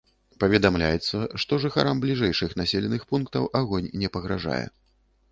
Паведамляецца, што жыхарам бліжэйшых населеных пунктаў агонь не пагражае.